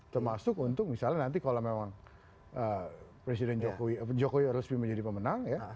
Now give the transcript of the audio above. termasuk untuk misalnya nanti kalau memang presiden jokowi resmi menjadi pemenang ya